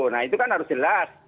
nah itu kan harus jelas